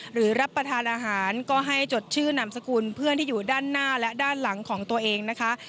รับประทานอาหารก็ให้จดชื่อนามสกุลเพื่อนที่อยู่ด้านหน้าและด้านหลังของตัวเองนะคะ